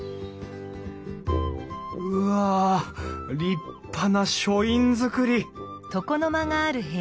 うわ立派な書院造り！